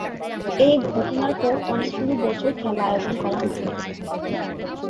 এ ঘটনার পর অনেকগুলো বছর খেলা আয়োজন করা হয়নি।